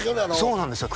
そうなんですよ